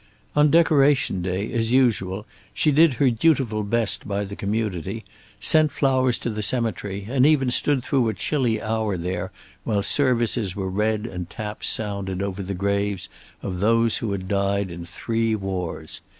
On Decoration Day, as usual, she did her dutiful best by the community, sent flowers to the cemetery and even stood through a chilly hour there while services were read and taps sounded over the graves of those who had died in three wars.